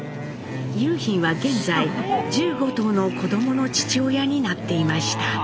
雄浜は現在１５頭の子どもの父親になっていました。